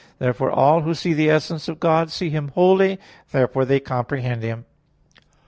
Therefore all who see the essence of God see Him wholly; therefore they comprehend Him.